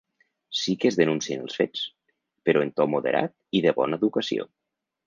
Sí que es denuncien els fets, però en to moderat i de bona educació.